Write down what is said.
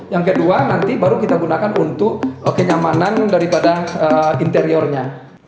yang kedua nanti baru kita gunakan untuk kenyamanan daripada interiornya